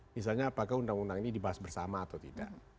misalnya apakah undang undang ini dibahas bersama atau tidak